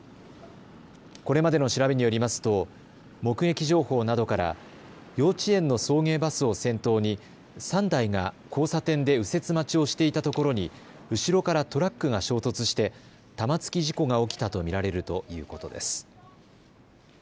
これまでの調べによりますと目撃情報などから幼稚園の送迎バスを先頭に３台が交差点で右折待ちをしていたところに後ろからトラックが衝突して玉突き事故が起きたと見られるということです。